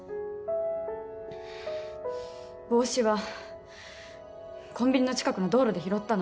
帽子はコンビニの近くの道路で拾ったの。